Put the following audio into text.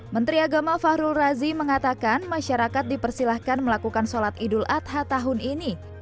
menteri agama fahrul razi mengatakan masyarakat dipersilahkan melakukan sholat idul adha tahun ini